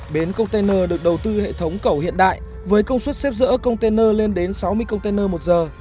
bến container được đầu tư hệ thống cầu hiện đại với công suất xếp rỡ container lên đến sáu mươi container một giờ